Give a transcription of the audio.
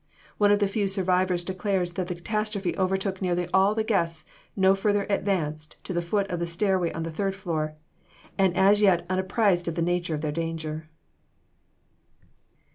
One of the few survivors declares that the catastrophe overtook nearly all the guests no further advanced than to the foot of the stairway on the third floor, and as yet unapprized of the nature of their danger.